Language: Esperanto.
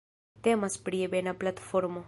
Temas pri ebena platformo.